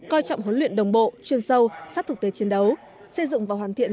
coi trọng huấn luyện đồng bộ chuyên sâu sát thực tế chiến đấu xây dựng và hoàn thiện